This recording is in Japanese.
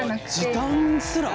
時短すら。